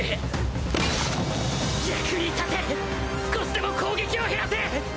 少しでも攻撃を減らせ！